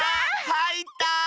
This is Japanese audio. はいった！